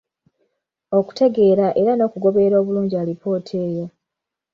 Okutegera era n'okugoberera obulungi alipoota eyo.